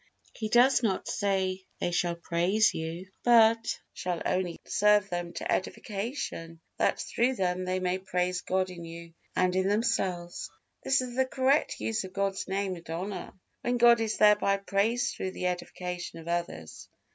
He does not say, "they shall praise you," but "your works shall only serve them to edification, that through them they may praise God in you and in themselves." This is the correct use of God's Name and honor, when God is thereby praised through the edification of others.